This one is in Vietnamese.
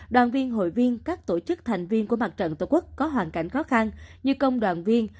đoàn viên hội viên các tổ chức thành viên của mặt trận tổ quốc có hoàn cảnh khó khăn như công đoàn viên